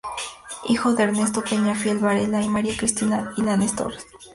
Hijo de Ernesto Peñafiel Varela y María Cristina Illanes Torres.